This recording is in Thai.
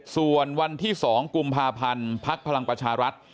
ส่วนวันที่๒กุมภาพันธ์ภักดิ์พลังประชารัฐ